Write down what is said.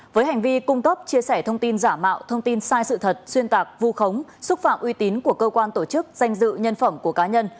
với hành vi cung cấp chia sẻ thông tin giả mạo thông tin sai sự thật xuyên tạc vu khống xúc phạm uy tín của cơ quan tổ chức danh dự nhân phẩm của cá nhân